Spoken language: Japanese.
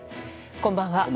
こんばんは。